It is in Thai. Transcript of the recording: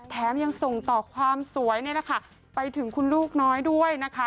แถมยังส่งต่อความสวยไปถึงคุณลูกน้อยด้วยนะคะ